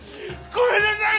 ごめんなさい！